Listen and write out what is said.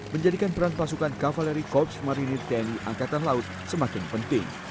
menjadikan peran pasukan kavaleri korps marinir tni angkatan laut semakin penting